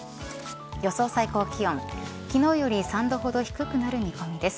予想最高気温昨日より３度ほど低くなる見込みです。